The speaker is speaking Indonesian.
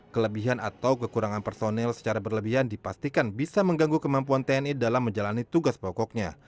kelebihan atau kekurangan personel secara berlebihan dipastikan bisa mengganggu kemampuan tni dalam menjalani tugas pokoknya